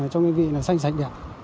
trong nhân vị sanh sinh